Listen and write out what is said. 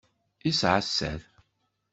Yesεa sser.